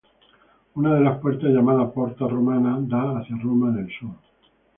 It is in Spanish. Una de las puertas, llamada Porta Romana, da hacia Roma en el sur.